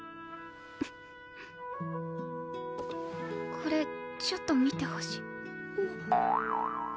これちょっと見てほしい。